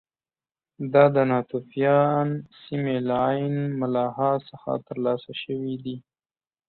دا د ناتوفیان سیمې له عین ملاحا څخه ترلاسه شوي دي